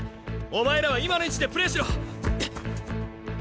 お前らは今の位置でプレーしろ。